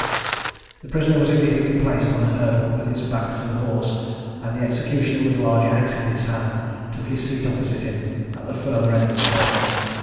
The prisoner was immediately placed on a hurdle, with his back to the horse; and the executioner, with a large axe in his hand, took his seat opposite him at the further end of the hurdle.